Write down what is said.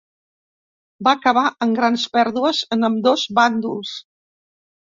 Va acabar en grans pèrdues en ambdós bàndols.